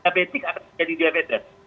diabetik akan menjadi diabetes